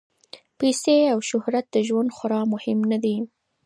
پیسې او شهرت د ژوند خورا مهم نه دي.